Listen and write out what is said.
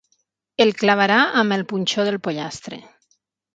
El clavarà amb el punxó del pollastre.